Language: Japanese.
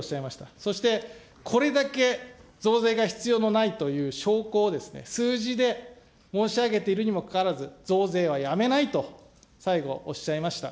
そして、これだけ、増税が必要のないという証拠を数字で申し上げているにもかかわらず、増税はやめないと、最後、おっしゃいました。